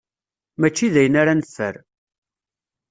Mačči d ayen ara neffer.